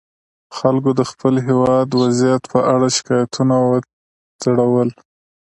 خلکو د خپل هېواد وضعیت په اړه شکایتونه وځړول.